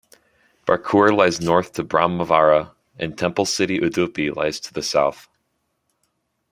Barkur lies north to Brahmavara and Temple city Udupi lies to the south.